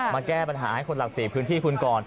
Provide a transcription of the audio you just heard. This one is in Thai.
แก้ปัญหาให้คนหลัก๔พื้นที่คุณก่อน